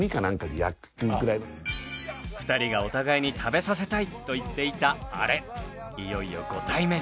２人がお互いに食べさせたいと言っていたあれいよいよご対面。